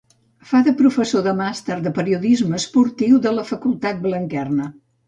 Fa de professor del màster de periodisme esportiu de la Facultat Blanquerna.